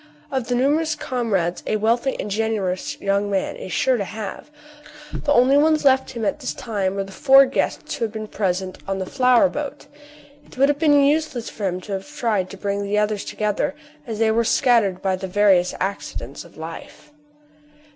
Of the numerous comrades a wealthy and generous young man is sure to have, the only ones left him at this time were the four guests who were present on the flower boat. It would have been useless for him to have tried to bring the others together, as they were scattered by the various accidents of life.